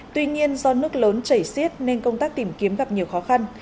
tuy nhiên do nước lớn chảy xiết nên công tác tìm kiếm gặp nhiều khó khăn